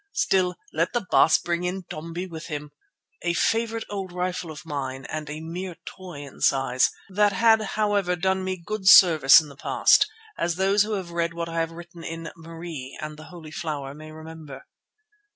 Still, let the Baas bring Intombi with him"—a favourite old rifle of mine and a mere toy in size, that had however done me good service in the past, as those who have read what I have written in "Marie" and "The Holy Flower" may remember.